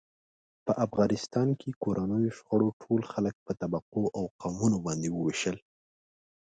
په افغانستان کې کورنیو شخړو ټول خلک په طبقو او قومونو باندې و وېشل.